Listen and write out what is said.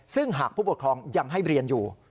ซึ่งหากผู้ปกครองยังให้เรียนอยู่